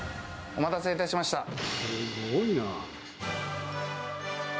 お待たせいたしました。